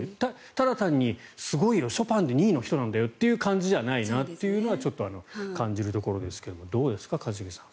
ただ単にすごいショパンで２位の人なんだよという感じの人ではないなというのはちょっと感じるところですけどどうですか一茂さん。